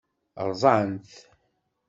Ṛṛẓan-t?